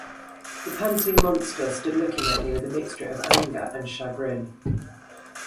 The panting monster stood looking at me with a mixture of anger and chagrin.